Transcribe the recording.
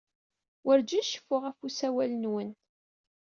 Werǧin ceffuɣ ɣef usawal-nwen.